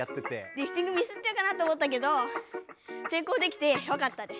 リフティングミスっちゃうかなって思ったけどせいこうできてよかったです。